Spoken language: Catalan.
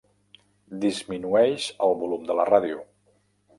Disminueix el volum de la ràdio.